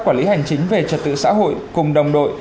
quản lý hành chính về trật tự xã hội cùng đồng đội